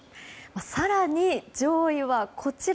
更に、上位はこちら。